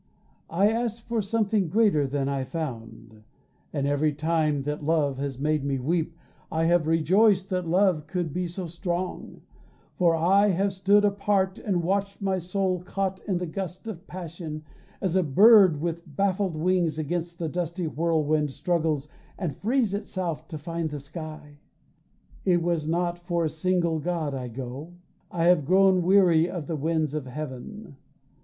I asked for something greater than I found, And every time that love has made me weep, I have rejoiced that love could be so strong; For I have stood apart and watched my soul Caught in the gust of passion, as a bird With baffled wings against the dusty whirlwind Struggles and frees itself to find the sky. It is not for a single god I go; I have grown weary of the winds of heaven.